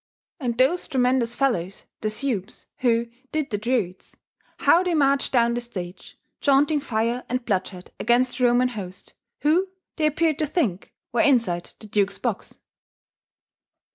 And those tremendous fellows, the "supes," who "did" the Druids, how they marched down the stage, chaunting fire and bloodshed against the Roman host, who, they appeared to think, were inside the Duke's box.